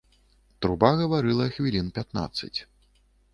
Труба гаварыла хвілін пятнаццаць.